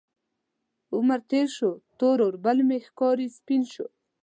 عمر تیر شو، تور اوربل مې ښکاري سپین شو